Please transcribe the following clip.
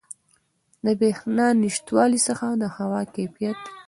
د بریښنا د نشتوالي څخه د هوا د کیفیت